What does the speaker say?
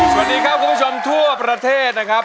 สวัสดีครับคุณผู้ชมทั่วประเทศนะครับ